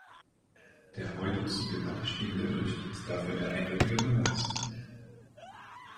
Der heute zur Debatte stehende Bericht ist dafür der eindeutige Beweis.